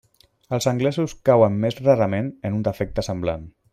Els anglesos cauen més rarament en un defecte semblant.